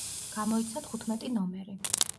გამოიცა თხუთმეტი ნომერი.